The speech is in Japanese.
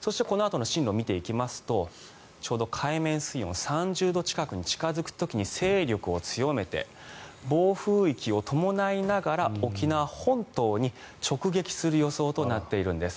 そして、このあとの進路を見ていきますとちょうど海面水温、３０度近くに近付く時に勢力を強めて暴風域を伴いながら沖縄本島に直撃する予想となっているんです。